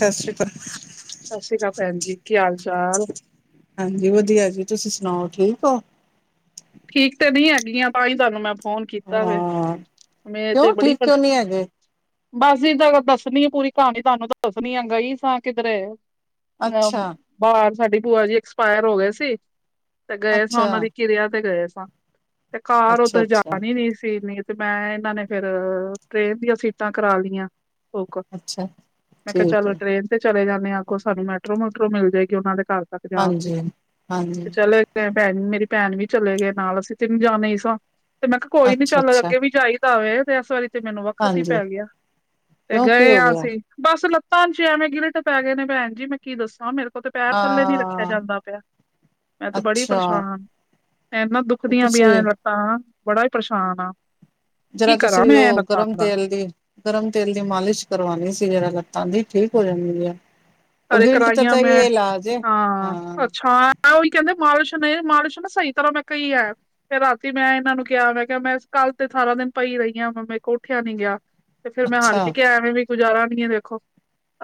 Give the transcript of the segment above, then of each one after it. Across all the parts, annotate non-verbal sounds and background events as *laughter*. ਸਤਿ ਸ਼੍ਰੀ ਅਕਾਲ ਸਤਿ ਸ੍ਰੀ ਅਕਾਲ ਭੈਣ ਜੀ, ਕੀ ਹਾਲ- ਚਾਲ ਹਾਂਜੀ। ਵਧੀਆ ਜੀ, ਤੁਸੀਂ ਸੁਣਾਓ ਠੀਕ ਹੋ। ਠੀਕ ਤੇ ਨੀ ਹੈਗੀਆਂ। ਤਾਂ ਹੀ ਤੁਹਾਨੂੰ ਮੈਂ ਫੋਨ ਕੀਤਾ ਵੇ, ਹਾਂ ਮੈਂ ਕਿਉਂ ਤੇ ਬੜੀ ਠੀਕ ਕਿਉਂ ਪਰੇ- ਨਹੀਂ ਹੈਗੇ ਬੱਸ ਇਹ ਤਾਂ ਦੱਸਣੀ ਆ ਪੂਰੀ ਕਹਾਣੀ। ਤੁਹਾਨੂੰ ਤਾਂ ਦੱਸਣੀ ਆ ਗਈ ਸਾਂ। ਕਿੱਧਰੇ ਅ ਅੱਛਾ ਬਾਹਰ ਸਾਡੀ ਭੂਆ ਜੀ ਐਕਸਪਾਇਰ ਹੋ ਗਏ ਸੀ। ਤੇ ਗਏ ਸਾਂ। ਅੱਛਾ ਉਹਨਾਂ ਦੀ ਕਿਰਿਆ ਤੇ ਗਏ ਸਾਂ। ਤੇ ਕਾਰ ਅੱਛਾ ਉੱਧਰ ਅੱਛਾ ਜਾਣੀ ਨੀ ਸੀਨੀ ਤੇ ਮੈਂ ਇਹਨਾਂ ਨੇ ਫੇਰ, ਟ੍ਰੇਨ ਦੀਆਂ ਸੀਟਾਂ ਕਰਾ ਲਈਆਂ। ਬਿਲਕੁਲ, ਅੱਛਾ ਠੀਕ ਚਲੋ ਹੈ ਟ੍ਰੇਨ ਤੇ ਚਲੇ ਜਾਂਦੇ ਆ। ਅੱਗੋ ਸਾਨੂੰ ਮੈਟਰੋ-ਮੂਟਰੋ ਮਿਲ ਜਾਏਗੀ। ਉਹਨਾਂ ਦੇ ਘਰ ਤੱਕ ਜਾਣਦੀ, ਹਾਂਜੀ ਹਾਂਜੀ ਤੇ ਚਲੇ ਤੇ ਭੈਣ ਮੇਰੀ ਭੈਣ ਵੀ ਚਲੇ ਗਏ ਨਾਲ ਅਸੀਂ ਤਿੰਨ ਜਾਣੇ ਹੀ ਸਾਂ। ਤੇ ਮੈਂ ਕਿਹਾ ਕੋਈ ਨੀ ਅੱਛਾ ਚੱਲ ਅੱਛਾ ਅੱਗੇ ਵੀ ਜਾਈ ਤਾਵੇ ਤੇ ਇਸ ਵਾਰੀ ਤੇ ਮੈਨੂੰ ਵੱਖਤ ਹੀ ਹਾਂਜੀ ਪੈ ਗਿਆ, ਤੇ ਕਿਉਂ ਕੀ ਗਏ ਹੋ ਹਾਂ ਗਿਆ ਅਸੀਂ ਬੱਸ ਲੱਤਾਂ 'ਚ ਐਵੇਂ ਗਿਲਟ ਪੈ ਗਏ ਨੇ ਭੈਣ ਜੀ ਮੈਂ ਕੀ ਦੱਸਾਂ ਮੇਰੇ ਓ ਤੇ ਪੈਰ ਥੱਲੇ ਨੀ ਰੱਖਿਆ ਹਾਂ ਜਾਂਦਾ ਪਿਆਮੈਂ ਤੇ ਬੜੀ ਅੱਛਾ ਪਰੇਸ਼ਾਨ ਅ ਇੰਨਾ ਦੁੱਖਦੀਆਂ ਪਈਆਂ ਤੁਸੀਂ ਨੇ ਲੱਤਾ ਬੜਾ ਹੀ ਪਰੇਸ਼ਾਨ ਆ। ਕੀ ਜਿਹੜ ਤੁਸੀਂ ਕਰਾਂ ਮੈਂ ਉਹ ਲੱਤਾਂ ਗਰਮ ਦਾ ਤੇਲ ਦੀ ਗਰਮ ਤੇਲ ਦੀ ਮਾਲਿਸ਼ ਕਰਵਾਉਣੀ ਸੀ ਜਰਾ ਲੱਤਾਂ ਦੀ ਠੀਕ ਹੋ ਜਾਂਣ ਗਿਆ। ਅਰੇ ਕਰਾਈਆਂ ਮੈਂ ਹਾਂ ਅੱਛਾ ਆ ਉਹੀ ਕੈਂਦੇ ਮਾਲਸ਼ ਨੇ-ਮਾਲਸ਼ ਨਾ ਸਹੀ ਤਰ੍ਹਾਂ ਮੈਂ ਕਈ ਐ। ਫਿਰ ਰਾਤੀ ਮੈਂ ਇਹਨਾਂ ਨੂੰ ਕਿਆ ਮੈਂ ਕਿਆ ਮੈਂ ਕੱਲ ਤੇ ਸਾਰਾ ਦਿਨ ਪਈ ਰਹੀ ਹਾਂ ਮ ਮੇ ਕੋ ਉੱਠਿਆ ਨੀ ਗਿਆ। ਤੇ ਫਿਰ ਮੈਂ ਹਾਰ ਅੱਛਾ ਕੇ ਕਿਆ ਐਵੇਂ ਵੀ ਗੁਜ਼ਾਰਾ ਨੀ ਹੈ ਦੇਖੋ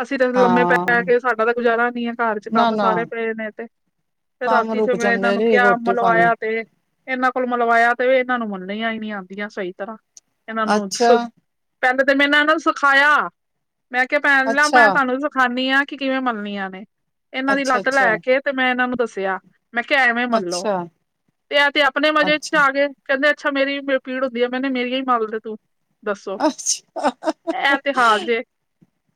ਅਸੀਂ ਤੇ ਲੰਮੇ ਪੈ ਪੈ ਹਾਂ ਕੇ ਸਾਡਾ ਤਾਂ ਗੁਜ਼ਾਰਾ ਨਹੀ ਹੈ ਘਰ 'ਚ ਨਾ ਕੰਮ ਨਾ ਸਾਰੇ ਪਏ ਨੇ ਤੇ ਤੇ ਕੰਮ ਰਾਤੀ ਸ ਰੁਕ ਵੇੇ ਇਹਨਾਂ ਜਾਂਦੇ ਨੂੰ ਜੀ ਕਿਆ ਰੋਟੀ ਪਾਣੀ ਮਲਵਾਇਆ ਤੇ ਇਹਨਾਂ ਕੋਲ ਮਲਵਾਇਆ ਤੇ ਇਹਨਾਂ ਨੂੰ ਮੱਲਣੀਆਂ ਹੀ ਨਹੀ ਆਂਦੀਆਂ ਸਹੀ ਤਰ੍ਹਾਂ ਇਹਨਾਂ ਨੂੰ ਅੱਛਾ ਸ ਪੈਲਾਂ ਤੇ ਮੈੇ ਇਹਨਾਂ ਨੂੰ ਸਿਖਾਇਆ ਮੈਂ ਕਿਆ ਪੈਲਾਂ ਅੱਛਾ ਮੈਂ ਤੁਹਾਨੂੰ ਖਾਣੀ ਹਾਂ ਕਿ ਕਿਵੇਂ ਮਲਣੀਆਂ ਨੇ ਇਹਨਾਂ ਦੀ ਅੱਛਾ ਲੱਤ ਅੱਛਾ ਲੈ ਕੇ ਤੇ ਮੈਂ ਇਹਨਾਂ ਨੂੰ ਦੱਸਿਆ। ਮੈਂ ਕਿਆ ਐਵੇਂ ਮਲੋ ਅੱਛਾ ਤੇ ਆ ਤੇ ਆਪਣੇ ਮਜ਼ੇ 'ਚ ਅੱਛਾ ਆ ਗਏ। ਕੈਂਦੇ ਅੱਛਾ ਮੇਰੀ ਪੀੜ ਹੁੰਦੀਆ ਮੈਨੇ ਮੇਰੀਆ ਹੀ ਮੱਲਦੇ ਤੂੰ ਦੱਸੋ ਅੱਛਾ ਇਹ ਤੇ ਹਾਲ ਜੇ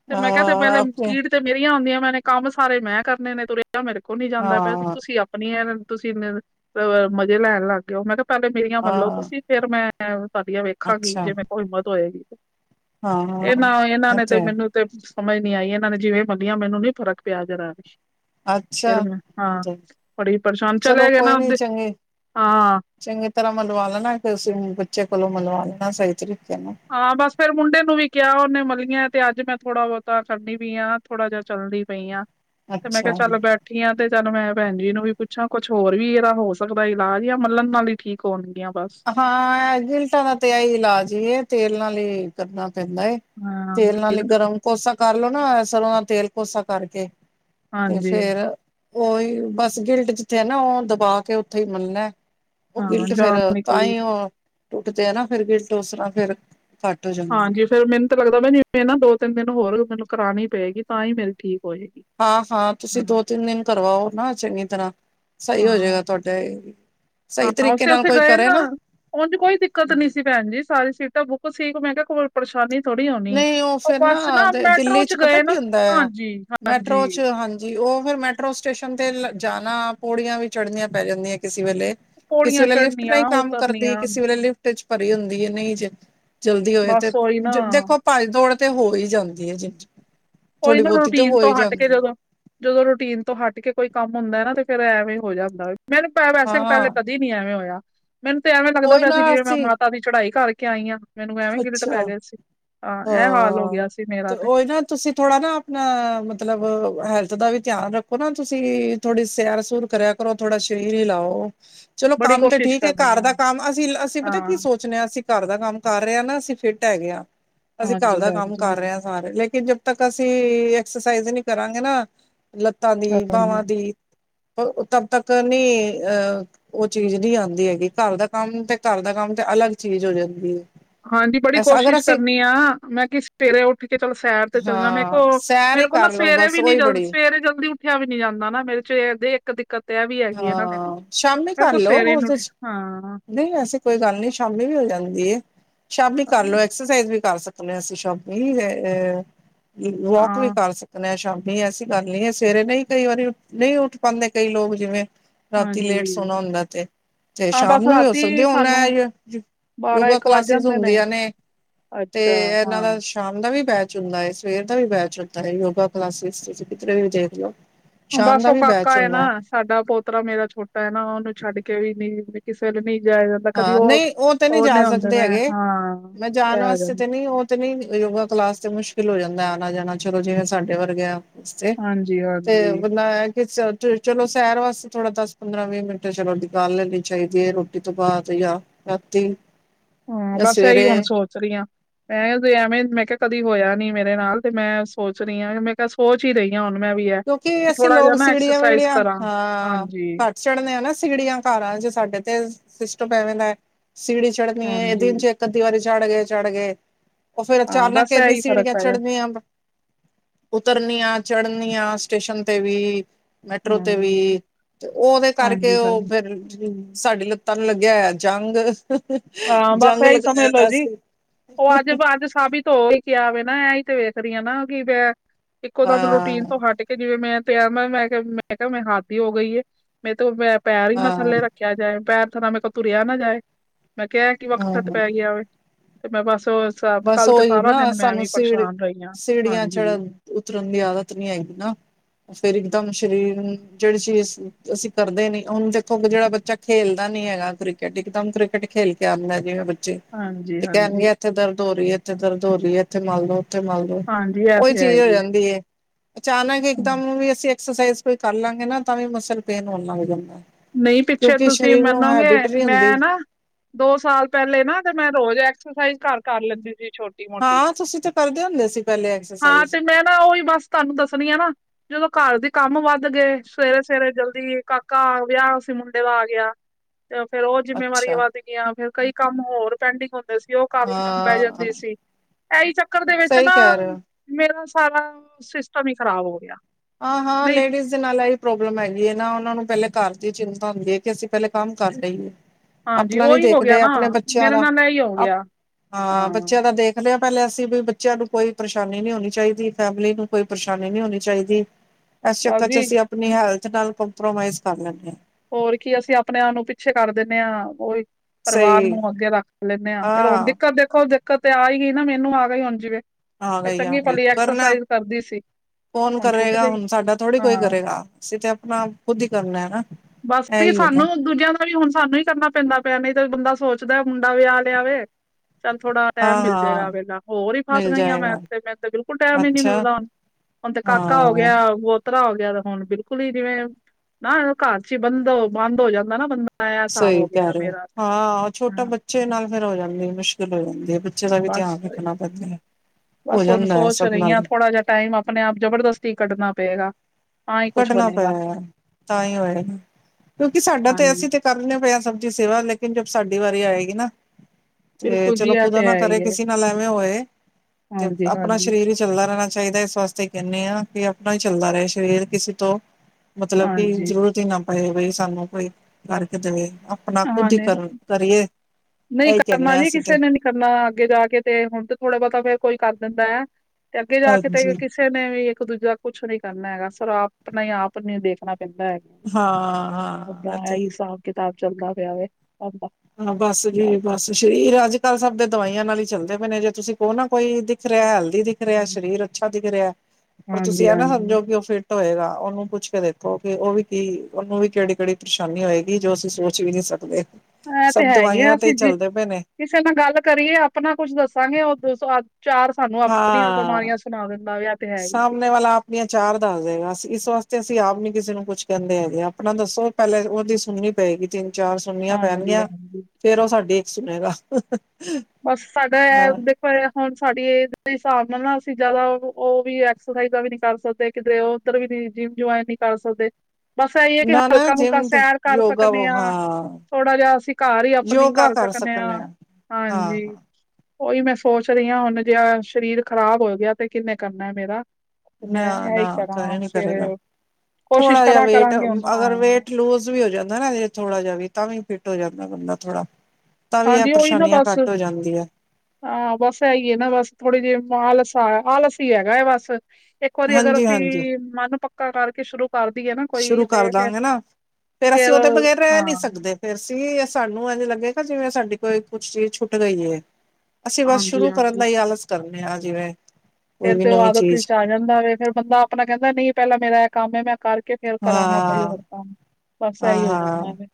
ਤੇ ਮੈਂ ਕਿਹਾ ਤੇ ਹਾਂ ਪੈਲੇ ਆਪਣੇ ਤੇ ਮੇਰੀਆਂ ਹੁੰਦੀਆਂ ਮੈਂ ਨੇ ਕੰਮ ਸਾਰੇ ਮੈਂ ਕਰਨੇ ਨੇ ਤੁਰਿਆ ਮੇਰੇ ਕੋਲ ਨੀ ਜਾਂਦਾ ਪਿਆ ਹਾਂ ਤੁਸੀਂ ਆਪ ਆਪਣੀਆਂ ਤੁਸੀਂ ਨ ਅ ਮਜ਼ੇ ਲੈਣ ਲੱਗ ਗਏ ਓ ਮੈਂ ਕਿਹਾ ਪੈਲੇ ਮੇਰੀਆਂ ਮਲੋ ਹਾਂ ਤੁਸੀ ਫੇਰ ਮੈਂ ਤੁਡੀਆਂ ਵੇਖਾਂਗੀ ਅੱਛਾ ਜੇ ਮੇ ਕੋ ਹਿੰਮਤ ਹੋਏਗੀ। ਹਾਂ ਇਹਨਾਂ-ਇਹਨਾਂ ਨੇ ਤੇ ਅੱਛਾ ਮੈਨੂੰ ਤੇ ਸਮਝ ਨੀ ਆਈ ਇਹ ਨੇ ਜਿਵੇਂ ਮਲੀਆਂ ਮੈਨੂੰ ਨੀ ਫਰਕ ਪਿਆ ਜਰਾ ਵੀ ਫਿਰ ਅੱਛਾ ਮੈਂ ਹਾਂ ਬੜੀ ਪਰੇਸ਼ਾਨ ਚਲੋ ਚਲੇ ਗਏ ਕੋਈ ਨਾ ਨੀ ਚੰਗੀ ਹਾਂ। ਚੰਗੀ ਤਰ੍ਹਾਂ ਮਲਵਾ ਲੈਣਾ ਕਿ ਅਸੀਂ ਬੱਚੇ ਕੋਲੋਂ ਮਲਵਾ ਲੈਣਾ ਸਹੀ ਤਰੀਕੇ ਨਾਲ ਹਾਂ ਬੱਸ ਫੇਰ ਮੁੰਡੇ ਨੂੰ ਵੀ ਕਿਆ ਉਹਨੇ ਮਲੀਆਂ ਤੇ ਅੱਜ ਮੈਂ ਥੋੜਾ ਬਹੁਤਾ ਕਰਨੀ ਵੀ ਆ। ਥੋੜਾ ਜਿਹਾ ਚੱਲਦੀ ਪਈ ਆਂ ਤੇ ਮੈਂ ਕਿਹਾ ਅੱਛਾ ਚੱਲ ਬੈਠ ਬੈਠੀਆਂ ਤੇ ਚੱਲ ਮੈਂ ਭੈਣ ਜੀ ਨੂੰ ਵੀ ਪੁੱਛਾਂ ਕੁਛ ਹੋਰ ਵੀ ਇਹਦਾ ਹੋ ਸਕਦਾ ਇਲਾਜ ਜਾਂ ਮੱਲਣ ਨਾਲ ਹੀ ਠੀਕ ਹੋਣਗੀਆਂ ਬੱਸ ਹਾਂ ਗਿਲਟਾ ਦਾ ਤੇ ਆ ਹੀ ਇਲਾਜ ਹੀ ਏ ਤੇਲ ਨਾਲ ਹੀ ਕਰਨਾ ਪੈਂਦਾ ਏ। ਹਾਂ ਤੇਲ ਨਾਲ ਹੀ ਗਰਮ ਕੋਸਾ ਕਰਲੋ ਨਾ ਸਰੋਂ ਦਾ ਤੇਲ ਕੋਸਾ ਕਰਕੇ ਤੇ ਹਾਂਜੀ ਫਿਰ ਉਹੀ ਬੱਸ ਗਿਲਟ ਜਿੱਥੇ ਹੈ ਨਾ ਓ ਦਬਾ ਕੇ ਉੱਥੇ ਈ ਮੱਲਣਾ ਉਹ ਹਾਂ ਗਿਲਟ ਫਿਰ ਜਾਨ ਨਿਕਲੀ ਆ ਟੁੱਟਦੇ ਆ ਨਾ ਫੇਰ ਗਿਲਟ ਉਸ ਤਰਾਂ ਫੇਰ ਘੱਟ ਹੋ ਜਾਂਦੇ। ਫਿਰ ਮੈਨੂੰ ਤਾਂ ਲੱਗਦਾ ਜਿਵੇਂ ਨਾ ਦੋ- ਤਿੰਨ ਦਿਨ ਹੋਰ ਮੈਨੂੰ ਕਰਾਣੀ ਪਏਗੀ ਤਾਂ ਹੀ ਮੇਰੀ ਠੀਕ ਹੋਏਗੀ। ਹਾਂ-ਹਾਂ ਤੁਸੀਂ ਹਾਂ ਦੋ ਤਿੰਨ ਦਿਨ ਕਰਵਾਓ ਨਾ ਚੰਗੀ ਤਰ੍ਹਾਂ ਸਹੀ ਹੋ ਹਾਂ ਜਾਏਗਾ ਤੁਹਾਡੇ ਸਹੀ ਹਾਂ ਤਰੀਕੇ ਅਸੀਂ ਨਾਲ ਉੱਥੇ ਕੋਈ ਗਏ ਕਰੇ ਨਾ ਉਂਜ ਕੋਈ ਦਿੱਕਤ ਨੀ ਸੀ। ਭੈਣ ਜੀ ਸਾਰੀ ਸੀਟਾਂ ਬੁੱਕ ਸੀ ਮੈਂ ਕਿਆ ਪਰੇਸ਼ਾਨੀ ਥੋੜ੍ਹੀ ਆਉਣੀ ਹੈ ਨਹੀਂ ਉਹ ਫਿਰ ਬੱਸ ਨਾ ਮੈਟਰੋ ਦਿੱਲੀ 'ਚ ਪਤਾ ਗਏ ਕੀ ਨਾ ਹਾਂਜੀ-ਹਾਂਜੀ। ਜੀ ਉਹ ਫਿਰ ਮੈਟਰੋ ਸਟੇਸ਼ਨ ਤੇ ਜਾਣਾ ਪੌੜੀਆਂ ਵੀ ਚੜ੍ਹਨੀਆਂ ਪੈ ਜਾਂਦੀਆਂ ਕਿਸੀ ਵੇਲੇ ਕਿਸੇ ਪੌੜੀਆਂ ਵੇਲੇ ਲਿਫਟ ਚੜ੍ਹਨੀਆਂ ਨਈ ਕੰਮ ਕਰਦੀ ਉਤਰਨੀਆਂ ਕਿਸੇ ਵੇਲੇ ਲਿਫਟ 'ਚ ਭਰੀ ਹੁੰਦੀ ਹੈ ਨਈ ਜੇ ਜਲਦੀ ਹੋਏ ਤੇ ਬਸ ਉਹੀ ਨਾ ਦੇਖੋ ਭੱਜ ਦੌੜ ਤੇ ਹੋ ਹੀ ਜਾਂਦੀ ਹੈ ਜੇਚ- ਕੋਈ ਨਾ ਰੂਟੀਨ ਤੋਂ ਹੱਟ ਕੇ ਜਦੋਂ ਜਦੋਂ ਰੂਟੀਨ ਤੋਂ ਹੱਟ ਕੇ ਕੋਈ ਕੰਮ ਹੁੰਦਾ ਨਾ ਤੇ ਫਿਰ ਐਵੇਂ ਹੋ ਜਾਂਦਾ ਮੈਨੂੰ ਵੈਸੇ ਪੈਲੇ ਹਾਂ ਕਦ ਦੀ ਨੀ ਐਵੇਂ ਹੋਇਆ ਮੈਨੂੰ ਤੇ ਐਵੇਂ ਲੱਗਦਾ ਉਹੀ ਪਿਆ ਨਾ ਸੀ ਜਿਵੇਂ ਮੈਂ ਅਸੀਂ ਮਾਤਾ ਦੀ ਚੜ੍ਹਾਈ ਕਰਕੇ ਆਈ ਆਂ। ਮੈਨੂੰ ਐਵੇਂ ਗਿਲਟ ਪੈ ਅੱਛਾ ਗਏ ਸੀ ਹਾਂ ਇਹ ਹਾਲ ਹੋ ਗਿਆ ਸੀ ਮੇਰਾ ਤੇ ਤੁਸੀਂ ਥੋੜਾ ਨਾ ਆਪਣਾ ਮਤਲਬ ਹੈਲਥ ਦਾ ਵੀ ਧਿਆਨ ਰੱਖੋ ਨਾ ਤੁਸੀਂ ਥੋੜੀ ਸੈਰ ਸੁਰ ਕਰਿਆ ਕਰੋ। ਥੋੜਾ ਸਰੀਰ ਹੀ ਲਾਓ। ਚਲੋ ਬੜੀ ਕੰਮ ਤਾਂ ਕੋਸ਼ਿਸ਼ ਠੀਕ ਹੈ, ਕਰਨੀ ਘਰ ਆ ਦਾ ਕੰਮ ਅਸੀਂ ਅਸੀਂ ਪਤਾ ਹਾਂ। ਕੀ ਸੋਚ। ਸੋਚਦੇ ਹਾਂ, ਅਸੀਂ ਘਰ ਦਾ ਕੰਮ ਕਰ ਰਹੇ ਹਾਂ ਨਾ ਅਸੀਂ ਫਿੱਟ ਹੈਗੇ ਹਾਂ। ਅਸੀਂ ਘਰ ਹਾਂਜੀ, ਦਾ ਕੰਮ ਕਰ ਹਾਂਜੀ, ਰਹੇ ਹਾਂ। ਸਾਰੇ ਲੇਕਿਨ ਜਬ ਤੱਕ ਅਸੀਂ ਐਕਸਰਸਾਈਜ਼ ਨੀ ਕਰਾਂਗੇ ਨਾ। ਲੱਤਾਂ ਦੀ ਹਾਂਜੀ। ਬਵਾਂ ਦੀ ਤਬ ਤੱਕ ਨਹੀਂ ਅਹ। ਉਹ ਚੀਜ਼ ਨਹੀ ਆਦੀ ਹੈਗੀ। ਘਰ ਦਾ ਕੰਮ ਤੇ ਘਰ ਦਾ ਕੰਮ ਤੇ ਅਲੱਗ ਚੀਜ਼ ਹੋ ਜਾਂਦੀ ਹੈ। ਹਾਂਜੀ ਬੜੀ ਐਸਾ ਅਗਰ ਕੋਸ਼ਿਸ਼ ਅਸੀਂ ਕਰਨੀ ਆ, ਮੈਂ ਕਿ ਸਵੇਰੇ ਉੱਠ ਕੇ ਚਲ ਸੈਰ ਤੇ ਚੱਲਣਾ ਮੇਰੇ ਹਾਂ ਕੋਲ। ਸੈਰ ਹੀ ਮੇਰੇ ਕੋਲ ਨਾ ਕਰਲੋ ਸਵੇਰੇ ਬਸ ਵੀ ਨੀ ਉਹੀ ਜਲਦੀ ਬੜੀ ਸਵੇਰੇ ਜਲਦੀ ਉੱਠਿਆ ਵੀ ਨੀ ਜਾਂਦਾ। ਨਾ ਮੇਰੇ ਚ ਇੱਕ ਦਿਕਤ ਵੀ ਹੈਗੀ ਆ ਨਾ। ਮੈਨੂੰ ਹਾਂ ਸ਼ਾਮੀ ਫਿਰ ਕਰਲੋ ਸਵੇਰੇ ਨੂੰ ਉਹਦੇ ਚ ਹਾਂ। ਨਹੀਂ ਵੈਸੇ ਕੋਈ ਗੱਲ ਨੀ, ਸ਼ਾਮੀ ਵੀ ਹੋ ਜਾਂਦੀ ਏ ਸ਼ਾਮੀ ਹਾਂ, ਕਰਲੋ ਐਕ ਵੀ ਕਰ ਸਕਦੇ ਹਾਂ ਅਸੀਂ ਸਾਮੀ ਵੋਕ ਵੀ ਹਾਂ, ਕਰ ਸਕਦੇ ਹਾਂ ਸਾ਼ਮੀ। ਨਹੀਂ ਐਸੀ ਗੱਲ ਨਹੀਂ ਹੈ। ਸਵੇਰੇ ਨਹੀਂ ਕਈ ਵਾਰੀ ਨਹੀਂ ਉੱਠ, ਪਾਉਂਦੇ ਕਈ ਲੋਕ ਜਿਵੇਂ। ਰਾਤੀ ਲੇਟ ਹਾਂਜੀ। ਸੌਣਾ ਹੁੰਦਾ ਤੇ ਤੇ ਹਾਂ ਸ਼ਾਮ ਬਸ ਨੂੰ ਵੀ ਹੋ ਸਕਦੀ ਰਾਤੀ ਹੁਣ ਸਾਨੂੰ ਬਾਰਾਂ ਯੋਗਾ ਇੱਕ ਵੱਜ ਕਲਾਸਿਸ ਜਾਂਦੇ ਹੁੰਦੀਆਂ ਨੇ। ਤੇ ਅੱਛਾ ਇਹਨਾਂ ਹਾਂ। ਦਾ ਸ਼ਾਮ ਦਾ ਵੀ ਬੈਚ ਹੁੰਦਾ ਹੈ, ਸਵੇਰ ਦਾ ਵੀ ਬੈਚ ਹੁੰਦਾ ਹੈ। ਯੋਗਾ ਕਲਾਸਿਸ ਤੁਸੀਂ ਕਿਧਰੇ ਵੀ ਦੇਖ ਲਓ। ਸ਼ਾਮ ਬਸ ਦਾ ਉਹ ਵੀ ਕਾਕਾ ਬੈਚ ਹੈ ਨਾ। ਹੁੰਦਾ ਸਾਡਾ ਪੋਤਰਾ ਮੇਰਾ ਛੋਟਾ ਹੈ ਨਾ। ਉਹਨੂੰ ਛੱਡ ਕੇ ਵੀ ਨਾ ਕਿਸੇ ਵੇਲੇ ਨਹੀਂ ਜਾਇਆ ਜਾਂਦਾ। ਹਾਂ ਨਹੀਂ ਉਹ ਤੇ ਨਹੀਂ ਉਹਨੇ ਜਾ ਹੁੰਦੇ ਸਕਦੇ ਨੇ ਹੈਗੇ। ਹਾਂ ਮੈਂ ਇਹ ਜਾਣ ਆ ਵਾਸਤੇ ਜਾਂਦਾ। ਤੇ ਨਹੀਂ। ਉਹ ਤੇ ਨਹੀਂ ਯੋਗਾ ਕਲਾਸ ਤੇ ਮੁਸ਼ਕਿਲ ਹੋ ਜਾਂਦਾ ਆ ਨਾ ਜਾਣਾ ਚਲੋ ਜਿਵੇਂ ਸਾਡੇ ਵਰਗੇ ਆ। ਤੇ ਹਾਂਜੀ-ਹਾਂਜੀ, ਬਨਾਇਆ ਕਿ ਚਲੋ ਸੈਰ ਵਾਸਤੇ ਥੋੜਾ ਦਸ ਪੰਦਰਾਂ ਵੀਹ ਮਿੰਟ ਚਲੋ ਨਿਕਾਲ ਲੈਣੀ ਚਾਹੀਦੀ ਹੈ। ਰੋਟੀ ਤੋਂ ਬਾਅਦ ਜਾਂ ਰਾਤੀ। ਹਾਂ ਜਾਂ ਬਸ ਇਹੀ ਹੁਣ ਸਵੇਰੇ ਸੋਚ। ਸੋਚ ਰਹੀ ਹਾਂ, ਮੈਂ ਕਿਹਾ ਐਵੇਂ ਮੈਂ ਕਿਹਾ ਕਦੀ ਹੋਇਆ ਨੀ ਮੇਰੇ ਨਾਲ ਤੇ ਮੈਂ ਸੋਚ ਰਹੀ ਹਾਂ। ਮੈਂ ਕਿਹਾ ਸੋਚ ਹੀ ਰਹੀਆਂ ਹੁਣ ਮੈਂ ਵੀ ਹੈ, ਕਿਉਂਕਿ ਕਿ ਅਸੀਂ ਥੋੜਾ ਜਾ ਲੋਕ ਨਾ ਐਕਸਰਸਾਈਜ਼ ਕਰਾਂ। ਹਾਂਜੀ। ਚੜ੍ਹਨ ਆ ਨਾ ਸਿੜੀਆਂ ਘਰਾਂ ਚ ਸਾਡੇ ਤੇ ਸਿਸਟਮ ਐਵੇ ਦਾ ਹੈ। ਸਿੜੀ ਚ ਚੜ੍ਹਨੀ ਇਹ ਦਿਨ ਚ ਇੱਕ ਅੱਧੀ ਵਾਰੀ ਚੜ੍ਹ ਗਏ, ਚੜ੍ਹ ਗਏ। ਉਹ ਫਿਰ ਹਾਂ ਅਚਾਨਕ ਬਸ ਇੰਨੀ ਇਹੀ ਫ਼ਰਕ ਸੀੜੀਆਂ ਪੈਗਾ। ਚੜ੍ਹਨੀਆਂ, ਉਤਰਨੀਆਂ, ਚੜ੍ਹਨ ਆ ਸਟੇਸ਼ਨ ਤੇ ਵੀ ਮੈਟਰੋ ਤੇ ਹੂੰ, ਵੀ, ਤੇ ਉਹਦੇ ਕਰਕੇ ਉਹ ਹਾਂਜੀ-ਹਾਂਜੀ, ਫਿਰ ਸਾਡੀ। ਤਲ ਗਿਆ ਜੰਗ ਅੱ *unintelligible* ਹਾਂ ਬਸ ਇਹੀ ਸਮਝ ਲੋ ਜੀ ਉਹ ਅੱਜ ਅੱਜ ਸਾਬਿ ਧੋ ਹੀ ਕਿਹਾ ਵ ਨਾ ਇਹੀ ਤੇ ਵੇਖ ਰਹੀ ਹ ਨਾ, ਕਿ ਮੈਂ ਇੱਕੋ ਦਮ ਰੂਟੀਨ ਹਾਂ ਤੋਂ ਹਟ ਕੇ। ਜਿਵੇਂ ਮੈਂ ਤੇ ਮੈਂ ਮੈਂ ਕਿਹਾ ਮੈਂ, ਕਿਹਾ ਮੈਂ ਹੱਦ ਹੀ ਹੋ ਗਈ ਹੈ ਮੈਂ ਤੇ ਮੈਂ ਪੈਰ ਹੀ ਨਾ ਹਾਂ ਥੱਲੇ ਰੱਖ। ਕਿਆ ਜਾਏ ਪੈਰ ਤੋਂ ਤਾ ਮੇਰੇ ਕੋਲ ਤੁਰਿਆ ਨਾ ਜਾਏ। ਮੈਂ ਕਿਹਾ ਕਿ ਵਕਤ ਹਾਂ ਪੈ ਗਿਆ ਹੋਏ। ਤੇ ਮੈਂ ਬਸ ਸ ਬਸ ਕੱਲ ਤੇ ਉਹੀ ਸਾਰਾ ਨਾ ਦਿਨ ਮੈਂ ਸਾਨੂੰ ਵੀ ਸੀੜ ਪਰੇਸ਼ਾਨ ਰਹੀ ਹਾਂ, ਸੀੜੀਆਂ ਹਾਂਜੀ। ਚੜਨ ਉਤਰਨ ਦੀ ਆਦਤ ਨੀ ਹੈਗੀ ਨਾ ਫੇਰ ਇੱਕਦਮ ਸਰੀਰ ਨੂੰ ਜਿਹੜੀ ਚੀਜ਼ ਅਸੀਂ ਕਰਦੇ ਨੀ, ਹੁਣ ਦੇਖੋ ਜਿਹੜਾ ਬੱਚਾ। ਖੇਲਦਾ ਨੀ ਹੈਗਾ ਕ੍ਰਿਕਟ ਇੱਕਦਮ ਕ੍ਰਿਕਟ ਖੇਲ ਕੇ ਆਉਂਦਾ ਜਿਵੇਂ ਹਾਂਜੀ ਤੇ ਹਾਂਜੀ ਕਹਿਣਗੇ ਇੱਥੇ ਦਰਦ ਹੋ ਰਹੀ ਏ, ਇੱਥੇ ਦਰਦ ਹੋ ਰਹੀ ਏ, ਇੱਥੇ ਮਲ ਦੋ ਔਥੇ ਮਲਦ ਹਾਂਜੀ ਇਹ ਔਈ ਤੇ ਹੈ ਚੀਜ਼ ਹੋ ਹੀ ਹੈ। ਜਾਂਦੀ ਏ, ਅਚਾਨਕ ਹਾਂ। ਇੱਕਦਮ ਨੂੰ ਵੀ ਅਸੀਂ ਐਕਸਸਾਈਜ਼ ਕੋਈ ਕਰ ਲਾਂਗੇ ਨਾ ਤਾਂ ਵੀ ਮਸਲ ਪੇਨ ਹੋ ਲਗ ਜਾਂਦਾ। ਨਹੀਂ ਪਿੱਛੇ ਕਿਉਂਕਿ ਤੁਸੀਂ ਸਰੀਰ ਨੂੰ ਮੰਨੋਗੇ, ਹੈਬਿਟ ਨੀ ਹੁੰਦੀ ਮੈਂ ਨਾ ਦੋ ਸਾਲ ਪਹਿਲੇ ਨਾ, ਤੇ ਮੈਂ ਰੋਜ਼ ਐਕਸਰਸਾਈਜ਼ ਘਰ ਕਰ ਲੈਂਦੀ ਸੀ ਛੋਟੀ ਮੋਟੀ ਹਾਂ, ਤੁਸੀਂ ਤਾਂ ਕਰਦੇ ਹੁੰਦੇ ਸੀ ਪਹਿਲੇ ਹਾਂ ਐਕਸਰਸਾਈਜ਼। ਤੇ ਮੈਂ ਉਹੀ ਬਸ ਤੁਹਾਨੂੰ ਦੱਸਣੀ ਆ ਨਾ ਜਦੋਂ ਘਰ ਦੇ ਕੰਮ ਵੱਧ ਗਏ, ਸਵੇਰੇ, ਸਵੇਰੇ ਜਲਦੀ ਕਾਕਾ ਵਿਆਹ ਔਸੀ ਮੁੰਡੇ ਦਾ ਆ ਗਿਆ, ਤੇ ਫੇਰ ਔਹ ਜਿੰਮੇਵਾਰੀ ਅੱਛਾ ਵਧ ਗ ਯਾ, ਫੇਰ ਕਈ ਕੰਮ ਹੋਰ ਪੈਂਡਿੰਗ ਹੁੰਦੇ ਸੀ ਔਹ ਕਾਰਲਮ ਬਹਿ ਹਾਂ ਜਾਂਦੀ ਸੀ, ਇਹੀ ਚੱਕਰ ਦੇ ਵਿੱਚ ਸਹੀ ਨਾ ਕਹਿ ਰਹੇ ਹੋ ਮੇਰਾ ਸਾਰਾ, ਸਿਸਟਮ ਹੀ ਖ਼ਰਾਬ ਹੋ ਗਿਆ। ਹਾਂ, ਹਾਂ ਨਹੀਂ ਲੇਡੀਜ਼ ਦੇ ਨਾਲ ਇਹੀ ਪ੍ਰੋਬਲਮ ਹੈਗੀ ਹੈ ਨਾ, ਉਹਨਾਂ ਨੂੰ ਪਹਿਲੇ ਘਰ ਦੀ ਚਿੰਤਾ ਹੁੰਦੀ ਹੈ ਕਿ ਅਸੀਂ ਪਹਿਲੇ ਕੰਮ ਕਰ ਲਈਏ। ਹਾਂਜੀ ਆਪਣਾ ਨੀ ਉਹੀ ਹੋ ਗਿਆ ਦੇਖਦੇ ਨਾ ਆਪਣੇ ਬੱਚਿਆਂ ਮੇਰੇ ਦਾ, ਨਾਲ ਇਹੀ ਹੋ ਗਿਆ ਹਾਂ ਬੱਚਿਆਂ ਦਾ ਦੇਖ ਹਲੇ ਆ ਪਹਿਲ ਅਸੀਂ ਵੀ ਬੱਚਿਆਂ ਨੂੰ ਕੋਈ ਪਰੇਸ਼ਾਨੀ ਨਹੀਂ ਹੋਣੀ ਚਾਹੀਦੀ, ਫੈਮਿਲੀ ਨੂੰ ਕੋਈ ਪਰੇਸ਼ਾਨੀ ਨਹੀਂ ਹੋਣੀ ਚਾਹੀਦੀ। ਇਸ ਬਸ ਚੱਕਰ 'ਚ ਜੀ ਅਸੀਂ ਆਪਣੀ ਹੈਲਥ ਨਾਲ ਕੰਪਰੋਮਾਈਜ਼ ਕਰ ਲੈਂਦੇ ਹਾਂ। ਹੋਰ ਕੀ, ਅਸੀਂ ਆਪਣੇ ਆਪ ਨੂੰ ਪਿੱਛੇ ਕਰ ਦਿੰਦੇ ਹਾਂ ਉਹੀ ਪਰਿਵਾਰ ਸਹੀ ਨੂੰ ਅੱਗੇ ਰੱਖ ਲੈਂਦੇ ਹਾਂ, ਫੇਰ ਹੁਣ ਦਿੱਕਤ ਦੇਖੋ ਦਿੱਕਤ ਤੇ ਆ ਹੀ ਗਈ ਨਾ ਮੈਨੂੰ ਆ ਗਈ ਹੁਣ ਜਿਵੇਂ। ਆ ਮੈਂ ਚੰਗੀ ਪਲੀ ਐਕਸਰਸਾਈਜ਼ ਕਰਦੀ ਸੀ। ਕੋਨ ਹੁਣ ਛੁੱਟ ਕਰੇਗਾ ਗਈ ਹੁਣ ਸਾਡਾ ਥੋੜ੍ਹੀ ਕੋਈ ਹਾਂ ਕਰੇਗਾ, ਅਸੀਂ ਤੇ ਆਪਣਾ ਖੁਦ ਹੀ ਕਰਨਾ ਹੈਨਾ। ਬਸ ਵੀ ਸਾਨੂੰ, ਦੂਜਿਆਂ ਨੂੰ ਵੀ ਹੁਣ ਸਾਨੂੰ ਹੀ ਕਰਨਾ ਪੈਂਦਾ ਪਿਆ, ਨਹੀਂ ਤੇ ਬੰਦਾ ਸੋਚਦਾ ਮੁੰਡਾ ਵਿਆਹ ਲਿਆਵੇ। ਚੱਲ ਥੋੜਾ ਟਾਈਮ ਮਿਲ ਜਾਏਗਾ ਵੇਲਾ, ਹੋਰ ਹੀ ਫਸ ਗਈ ਮੈਂ ਤੇ ਮੈਨੂੰ ਤੇ ਬਿਲਕੁਲ ਟਾਈਮ ਹੀ ਨੀ ਮਿਲਦਾ ਹੁਣ। ਹੁਣ ਤੇ ਕਾਕਾ ਹੋ ਗਿਆ, ਬਹੁ ਭਰਾ ਹੋ ਗਿਆ ਤੇ ਹੁਣ ਬਿਲਕੁਲ ਹੀ, ਨਾ ਘਰ 'ਚ ਹੀ ਬੰਦ, ਬੰਦ ਹੋ ਜਾਂਦਾ ਨਾ ਬੰਦਾ। ਐ ਹਿਸਾਬ ਸਹੀ ਗਿਆ ਕਹਿ ਰਹੇ ਹੋ, ਮੇਰਾ ਹਾਂ ਛੋਟਾ ਹਾਂ ਬੱਚੇ ਨਾਲ ਫੇਰ ਹੋ ਜਾਂਦੀ ਮੁਸ਼ਕਿਲ ਹੋ ਜਾਂਦੀ ਹੈ। ਬੱਚੇ ਦਾ ਵੀ ਧਿਆਨ ਬਸ ਰੱਖਣਾ ਪੈਂਦਾ ਹੈ, ਹੋ ਬਸ ਹੁਣ ਜਾਂਦਾ ਹੈ ਸੋਚ ਸਭ ਰਹੀ ਨਾਲ ਹਾਂ ਹੀ। ਥੋੜਾ ਜਿਹਾ ਟਾਈਮ ਆਪਣੇ ਆਪ ਜਬਰਦਸਤੀ ਕੱਢਣਾ ਪਏਗਾ। ਤਾਂ ਹੀ ਕੁਛ ਕੱਢਣਾ ਪੈ, ਬਣੇਗਾ ਤਾਂ ਹੀ ਹੋਏਆ, ਕਿਉਂਕਿ ਸਾਡਾ ਤੇ ਹਾਂਜੀ ਅਸੀਂ ਤੇ ਕਰਨੇ ਪਏ ਆ ਸਬ ਦੀ ਸੇਵਾ, ਲੇਕਿਨ ਜਦ ਸਾਡੀ ਵਾਰੀ ਆਏਗੀ ਨਾ। ਤੇ ਬਿਲਕੁਲ ਜੀ ਚਲੋ ਇਹ ਖੁਦਾ ਤੇ ਨਾ ਹੈ ਕਰੇ ਹੀ ਹੈ ਕਿਸੇ ਨਾਲ ਐਵੇਂ ਹੋਏ, ਤੇ ਹਾਂਜੀ ਆਪਣਾ ਹਾਂਜੀ ਸ਼ਰੀਰ ਚੱਲਦਾ ਰਹਿਣਾ ਚਾਹੀਦਾ ਇਸ ਵਾਸਤੇ ਕਹਿੰਦੇ ਹਾਂ, ਕਿ ਆਪਣਾ ਹੀ ਚੱਲਦਾ ਰਹੇ ਸ਼ਰੀਰ ਕਿਸੇ ਤੋਂ ਮਤਲਬ ਕਿ ਹਾਂਜੀ ਜ਼ਰੂਰਤ ਹੀ ਨਾ ਪਏ ਬਈ ਸਾਨੂੰ ਕੋਈ, ਕਰਕੇ ਦੇਵੇ ਅ ਆਪਣਾ ਹਾਂ ਖੁੱਦ ਹੀ ਨਹੀਂ ਕਰ, ਕਰ ਲਏ, ਨਹੀਂ ਇਹੀ ਕਹਿੰਦੇ ਕਰਨਾ ਹਾਂ ਜੀ ਅਸੀਂ ਕਿਸੇ ਤੇ ਨੇ ਨੀ ਕਰਨਾ, ਅੱਗੇ ਜਾ ਕੇ ਤੇ ਹੁਣ ਤੇ ਥੋੜਾ ਬਹੁਤਾ ਫੇਰ ਕੋਈ ਕਰ ਦਿੰਦਾ ਆ, ਤੇ ਅੱਗੇ ਜਾ ਕੇ ਤੇ ਕਿਸੇ ਹਾਂਜੀ ਕਿਸੇ ਨੇ ਵੀ ਇੱਕ ਦੂਜਾ ਕੁਛ ਨੀ ਕਰਨਾ ਹੈਗਾ, ਸਬ ਆਪਣਾ ਹੀ ਆਪ ਨੂੰ ਦੇਖਣਾ ਪੈਂਦਾ ਹੈਗਾ। ਹਾਂ, ਹਾਂ ਇਹ ਤੇ ਏਦਾਂ ਹੈ ਹੀ। ਇਹੀ ਹਿਸਾਬ ਕਿਤਾਬ ਚੱਲਦਾ ਪਿਆ, ਅੱਜ ਦਾ ਹਾਂ, ਬਸ ਜੀ ਬਸ। ਸਰੀਰ ਅੱਜ- ਕੱਲ੍ਹ ਸਭ ਦੇ ਦਵਾਈਆਂ ਨਾਲ ਹੀ ਚੱਲਦੇ ਪਏ ਨੇ, ਜੇ ਤੁਸੀਂ ਕੋਹ ਨਾ ਕੋਈ ਦਿਖ ਰਿਹਾ ਹੈਲਥੀ ਦੀ ਦਿਖ ਰਿਹਾ, ਸਰੀਰ ਅੱਛਾ ਦਿਖ ਰਿਹਾ, ਪਰ ਤੁਸੀਂ ਹਾਂਜੀ ਇਹ ਨਾ ਹਾਂਜੀ ਸਮਝੋ ਕਿ ਉਹ ਫੇਰ ਫਿਟ ਹੋਏਗਾ, ਉਹਨੂੰ ਪੁੱਛ ਕੇ ਦੇਖੋ ਕਿ ਉਹ ਵੀ ਕੀ ਉਹਨੂੰ ਵੀ ਕਿਹੜੀ- ਕਿਹੜੀ ਪਰੇਸ਼ਾਨੀ ਹੋਏਗੀ, ਜੋ ਅਸੀਂ ਸੋਚ ਵੀ ਨਹੀਂ ਸਕਦੇ। *unintelligible* ਹਾਂ ਇਹ ਸਭ ਤੇ ਹੈ ਆ, ਦਵਾਈਆਂ ਤੇ ਹੀ ਅਸੀਂ ਜੀ ਚੱਲਦੇ ਪਏ ਨੇ ਕਿਸੇ ਨਾਲ ਗੱਲ ਕਰੀਏ ਆਪਣਾ ਕੁਝ ਦੱਸਾਂਗੇ, ਉਹ ਦੋ ਸੌ, ਚਾਰ ਸਾਨੂੰ ਆਪਣੀਆਂ ਬਿਮਾਰੀਆਂ ਸੁਣਾ ਦਿੰਦਾ ਆਪ ਸਾਮਣੇ ਵਾਲਾ ਆਪ ਆਪੀਆਂ ਚਾਰ ਦੱਸ ਦੇਗਾ, ਇਸ ਵਾਸਤੇ ਅਸੀਂ ਆਪ ਨ ਕਿਸੇ ਨੂੰ ਕੁਛ ਕਹਿੰਦੇ ਹੈਗੇੇ, ਆਪਣਾ ਦੱਸੋ ਪੈਲੇ ਉਹਦੀ ਸੁਨਨੀ ਪਏਗੀ, ਤਿੰਨ-ਚਾਰ ਸੁਨੀਆਂ ਹਾਂਜੀ ਪੈਣਗੀਆਂ ਹਾਂਜੀ ਫੇਰ ਉਹ ਸਾਡੀੇ ਇੱਕ ਸੁਨੇਗਾ। ਬਸ ਸਦਾ ਐ। ਪਰ ਹੁਣ ਸਾਡੀ ਏਜ ਦੇ ਹਿਸਾਬ ਨਾਲ ਨਾ ਅਸੀਂ ਜਿਆਦਾ ਉਹ ਵੀ ਐਕਸਰਸਾਈਜ਼ ਦਾ ਵੀ ਨੀ ਕਰ ਸਕਦੇ ਕਿਧਰੇ ਉਹ ਧਰ ਵੀ ਨੀ ਜਿੰਮ ਜੁਆਇਨ ਨਈ ਕਰ ਸਕਦੇ। ਬਸ ਇਹੀ ਏ ਕਿ ਨਾ ਨਾ ਹਲਕਾ ਫੁਲਕਾ ਜਿਮ ਤੇ ਸੈਰ ਕਰ ਯੋਗਾ ਸਕਦੇ ਵੋ ਆ ਹਾਂ ਥੋੜਾ ਜਿਹਾ ਅਸੀਂ ਘਰ ਹੀ ਆਪਣੀ ਕਰ ਸਕਨੇ ਆ ਹਾਂ ਹਾਂਜੀ। ਓਹੀ ਮੈਂ ਸੋਚ ਰਹੀ ਆ ਹੁਣ ਜੇ ਸਰੀਰ ਖ਼ਰਾਬ ਹੋ ਗਿਆ ਤੇ ਕਿੰਨੇ ਕਰਨਾ ਮੇਰਾ। ਤੇ ਨਾ ਮੈਂ ਇਹੀ ਨਾ ਕਰਾਂ ਕਰੇ ਨੀ ਕਰੇਗਾ ਸਵੇਰੇ ਕੋਸ਼ਿਸ਼ ਥੋੜਾ ਜਹਾ ਕਰਾਂ ਵੇਟ ਕਰਾਂਗੇ ਉਹਨੂੰ ਹਾਂ ਅਗਰ ਵੇਟ ਲੂਜ ਵੀ ਹੋ ਜਾਂਦਾ ਨਾ ਥੋੜਾ ਜਿਹਾ ਵੀ ਤਾਂ ਵੀ ਫਿੱਟ ਹੋ ਜਾਂਦਾ ਬੰਦਾ ਥੋੜਾ ਤਾਂ ਵੀ ਇਹ ਹਾਂਜੀ ਉਹੀ ਨਾ ਪਰੇਸ਼ਾਨੀਆਂ ਬਸ ਘੱਟ ਹੋ ਜਾਂਦੀ ਆ। ਹਾਂ ਬਸ ਏ ਹੀ ਐ ਨਾ ਬਸ ਥੋੜ੍ਹੀ ਜਿਹੀ ਆਲਸ ਆ ਆਲਸ ਹੀ ਹੈਗਾ ਬਸ ਏਕ ਵਾਰੀ ਅਗਰ ਹਾਂਜੀ ਅਸੀਂ ਹਾਂਜੀ ਮਨ ਪੱਕਾ ਕਰਕੇ ਸ਼ੁਰੂ ਕਰਦੀ ਏ ਨਾ ਸ਼ੁਰੂ ਕੋਈ ਕਰ ਤੇ ਫਿਰ ਦਾਂਗੇ ਨਾ ਫੇਰ ਅਸੀਂ ਫਿਰ ਉਦੇ ਬਗੈਰ, ਰੇਹ ਹਾਂ ਨੀ ਸਕਦੇ। ਫੇਰ ਸੀ ਸਾਨੂੰ ਇਝ ਲੱਗੇਗਾ ਜਿਵੇਂ ਸਾਡੀ ਕੋਈ ਕੁਛ ਚੀਜ਼ ਛੁੱਟ ਗਈ ਏ। ਅਸੀਂ ਬਸ ਹਾਂਜੀ ਸ਼ੁਰੂ ਕਰਨ ਹਾਂਜੀ ਦਾ ਇ ਆਲਜ ਕਰਨੇ ਆ ਜਿਵੇਂ ਕੋਈ ਫਿਰ ਵੀ ਤੇ ਉਹ ਨਵੀਂ ਆਦਤ ਚੀਜ਼ ਵਿਚ ਆ ਜਾਂਦਾ ਵੇ ਫੇਰ ਬੰਦਾ ਆਪਣਾ ਕੇਦਾ ਨਈ ਪੇਲਾ ਮੇਰਾ ਇਹ ਕੰਮ ਹੈ ਮੈਂ ਕਰ ਕੇ ਫੇਰ ਕਰਾਂਗਾ ਕੋਈ ਹਾਂ ਹੋਰ ਕੰਮ ਬਸ ਹਾਂ ਇਹੀ ਹੋ ਹਾਂ ਜਾਂਦਾ,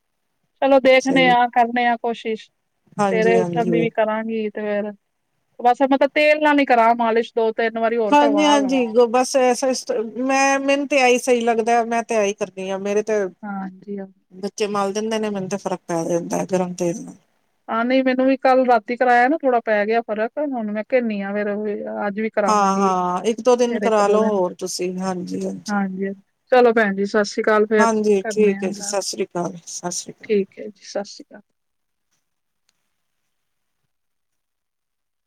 ਚਲੋ ਦੇਖਦੇ ਸਹੀ ਆ। ਕਰਨੇ ਆ ਕੋਸ਼ਿਸ਼, ਸਵੇਰੇ ਹਾਂਜੀ ਉੱਠਣ ਦੀ ਹਾਂਜੀ ਵੀ ਕਰਾਂਗੀ। ਤੇ ਫ ਬਸ ਮਤਲਬ ਤੇਲ ਨਾਲ ਈ ਕਰਾਂ ਮਾਲਿਸ਼ ਦੋ -ਤਿੰਨ ਵਾਰੀ ਹੋਰ ਕਰਵਾ ਹਾਂਜੀ-ਹਾਂਜੀ ਲਵਾਂ ਗ ਬਸ ਅਸ ਅਸ ਮੈਂ ਮੈਨੂੰ ਤੇ ਆਹੀ ਸਹੀ ਲੱਗਦਾ ਮੈਂ ਤਿਆਈ ਕਰਦੀ ਹਾਂ ਮੇਰੇ ਤੇ ਹਾਂਜੀ। ਬੱਚੇ ਮਲ ਦਿੰਦੇ ਨੇ ਮੈਨੂੰ ਤਾਂ ਫ਼ਰਕ ਪੈ ਜਾਂਦਾ ਗਰਮ ਤੇ ਨਾਲ ਆਾ ਨਈ ਮੈਨੂੰ ਵੀ ਕੱਲ ਰਾਤੀ ਕਰਾਇਆ ਨਾ ਥੋੜਾ ਪੈ ਗਿਆ ਫਰਕ ਹੁਣ ਮੈਂ ਕੇਨੀ ਆ ਫੇਰ ਅੱਜ ਵੀ ਕਰਾਵਾਂਗੀ ਹਾਂ-ਹਾਂ ਇੱਕ ਦੋ ਦਿਨ ਫੇਰ ਇੱਕ ਦੋ ਕਰਾਲੋ ਦਿਨ ਹੋਰ ਤੁਸੀਂ, ਹਾਂਜੀ-ਹਾਂਜੀ। ਹਾਂਜੀ ਚਲੋ ਪੈਣ ਜੀ ਸਤਿ ਸ੍ਰੀ ਅਕਾਲ ਫੇਰ ਹਾਂਜੀ ਕਰਨੇ ਠੀਕ ਹੈ ਆ ਜੀ ਗੱਲ, ਸਤਿ ਸ੍ਰੀ ਅਕਾਲ ਸਤਿ ਸ੍ਰੀ ਅਕਾਲ ਠੀਕ। ਜੀ ਸਤਿ ਸ਼੍ਰੀ ਅਕਾਲ।